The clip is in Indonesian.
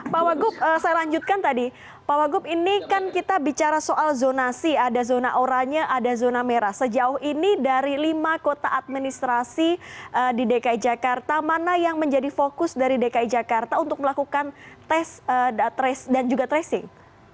pak wagub saya lanjutkan tadi pak wagub ini kan kita bicara soal zonasi ada zona oranye ada zona merah sejauh ini dari lima kota administrasi di dki jakarta mana yang menjadi fokus dari dki jakarta untuk melakukan tes dan juga tracing